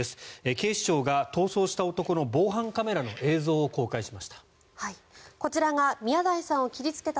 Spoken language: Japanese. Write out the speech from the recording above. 警視庁が逃走した男の防犯カメラの映像を公開しました。